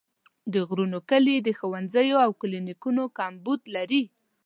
د غرونو کلي د ښوونځیو او کلینیکونو کمبود لري.